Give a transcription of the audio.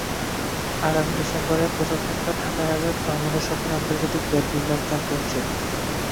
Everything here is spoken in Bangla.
আগামী ডিসেম্বরের প্রথম সপ্তাহে ঢাকায় হবে বাংলাদেশ ওপেন আন্তর্জাতিক ব্যাডমিন্টন চ্যাম্পিয়নশিপ।